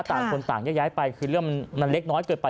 ต่างคนต่างแยกย้ายไปคือเรื่องมันเล็กน้อยเกินไป